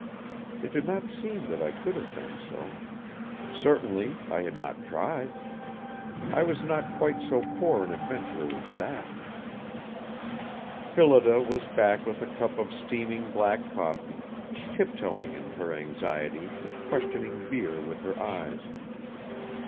It did not seem that I could have done so. Certainly I had not tried! I was not quite so poor an adventurer as that. Phillida was back with a cup of steaming black coffee, tiptoeing in her anxiety and questioning Vere with her eyes.